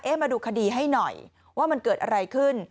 มาดูคดีให้หน่อยว่ามันเกิดอะไรขึ้น